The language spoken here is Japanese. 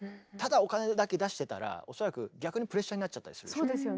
ただお金だけ出してたら恐らく逆にプレッシャーになっちゃったりする。